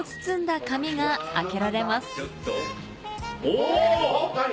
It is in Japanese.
お！